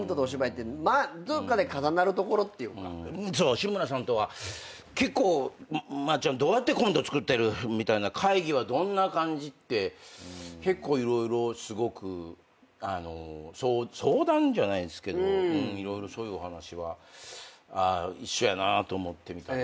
志村さんとは結構まっちゃんどうやってコント作ってる？みたいな会議はどんな感じって結構色々すごく相談じゃないですけど色々そういうお話は一緒やなと思ってみたり。